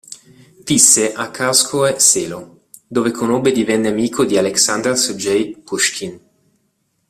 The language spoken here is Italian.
Visse a Carskoe Selo, dove conobbe e divenne amico di Aleksandr Sergeevič Puškin.